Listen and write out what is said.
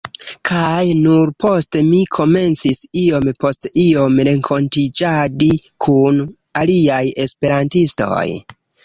kaj nur poste mi komencis iom post iom renkontiĝadi kun aliaj esperantistoj.